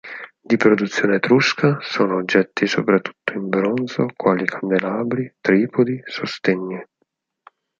Di produzione etrusca sono oggetti soprattutto in bronzo, quali candelabri, tripodi, sostegni.